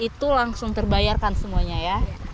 itu langsung terbayarkan semuanya ya